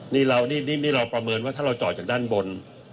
นี่เราประเมินว่าถ้าเราจอดจากด้านบน